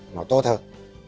nó tốt hơn